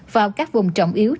vào các vùng trọng yếu trên cây